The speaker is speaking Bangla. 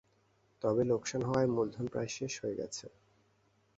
তবে লোকসান হওয়ায় মূলধন প্রায় শেষ হয়ে গেছে।